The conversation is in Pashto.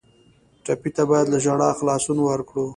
ټپي ته باید له ژړا خلاصون ورکړو.